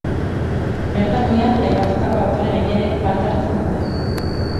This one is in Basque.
Bertan goian aipatutako aktore gehienek parte hartzen dute.